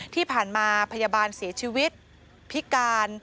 ที่ผ่านมาพยาบาลเสียชีวิตพิการ